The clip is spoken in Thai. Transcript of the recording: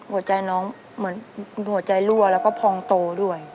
หัวใจน้องเหมือนหัวใจรั่วแล้วก็พองโตด้วย